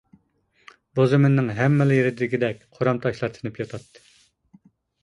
بۇ زېمىننىڭ ھەممىلا يېرىدە دېگۈدەك قورام تاشلار تىنىپ ياتاتتى.